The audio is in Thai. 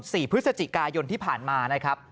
สี่พฤศจิกายนที่ผ่านมานะครับ